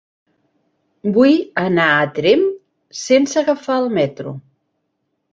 Vull anar a Tremp sense agafar el metro.